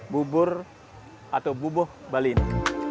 bubur atau bubur bali ini